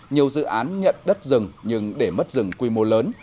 nhiều dự án nhận đất rừng nhưng để mất rừng quy mô lớn